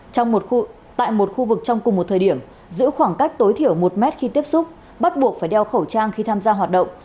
trong một khu vực trong cùng một thời điểm giữ khoảng cách tối thiểu một mét khi tiếp xúc bắt buộc phải đeo khẩu trang khi tham gia hoạt động